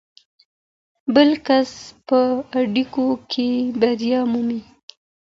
بل کس په اړیکو کې بریا مومي.